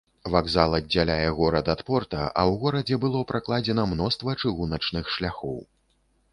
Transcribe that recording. Вакзал аддзяляе горад ад порта, а ў горадзе было пракладзена мноства чыгуначных шляхоў.